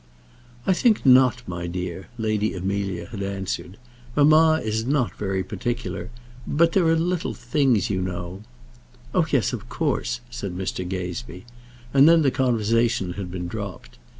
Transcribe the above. "I think not, my dear," Lady Amelia had answered. "Mamma is not very particular; but there are little things, you know " "Oh, yes, of course," said Mr. Gazebee; and then the conversation had been dropped.